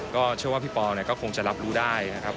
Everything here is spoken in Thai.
ก็เชื่อว่าพี่ปอลก็คงจะรับรู้ได้นะครับ